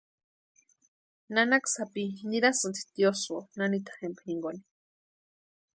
Nanaka sapi nirasïnti tiosïo nanita jempa jinkoni.